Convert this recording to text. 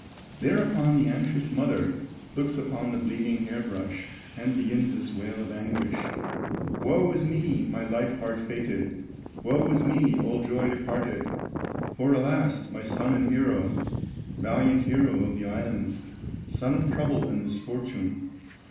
Thereupon the anxious mother Looks upon the bleeding hair brush And begins this wail of anguish: "Woe is me, my life hard fated, Woe is me, all joy departed! For alas! my son and hero, Valiant hero of the islands, Son of trouble and misfortune!